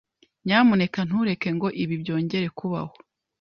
Nyamuneka ntureke ngo ibi byongere kubaho.